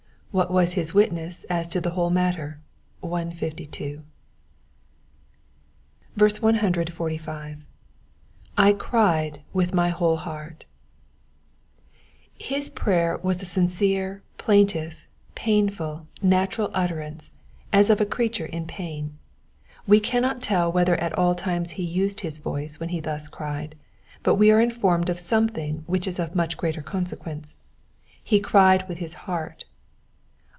What was nis witness as to the whole matter (152). 145.—/ cried ^oith my whole hearty His prayer was a sincere, plaintive, painful, natural utterance, as of a creature in pain. We cannot tell whether at all times he used his voice when he thus cried ; but we are informed of something which is of much greater consequence, he cried with his heart.